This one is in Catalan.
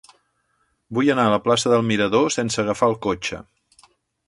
Vull anar a la plaça del Mirador sense agafar el cotxe.